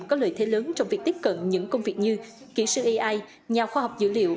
có lợi thế lớn trong việc tiếp cận những công việc như kỹ sư ai nhà khoa học dữ liệu